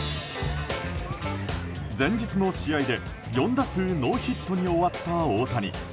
前日の試合で４打数ノーヒットに終わった大谷。